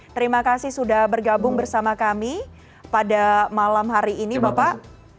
terima kasih sudah bergabung bersama kami pada malam hari ini bapak